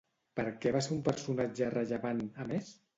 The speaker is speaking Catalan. Per què va ser un personatge rellevant, a més?